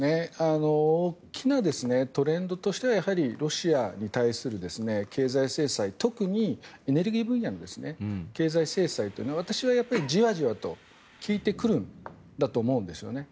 大きなトレンドとしてはやはりロシアに対する経済制裁特にエネルギー分野の経済制裁が私はじわじわと効いてくるんだと思うんですよね。